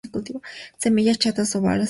Semillas chatas, ovales, pardas.